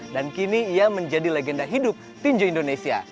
dan kini ia menjadi legenda hidup tinju indonesia